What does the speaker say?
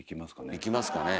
いきますかね。